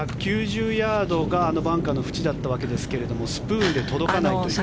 １９０ヤードがあのバンカーの縁だったわけですがスプーンで届かないという。